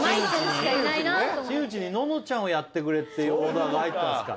新内にののちゃんをやってくれってオーダーが入ったんですか。